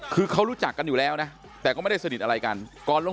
คือเขารู้จักกันอยู่แล้วนะแต่ก็ไม่ได้สนิทอะไรกันก่อนลง